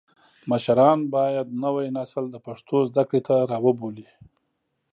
مشران باید نوی نسل د پښتو زده کړې ته راوبولي.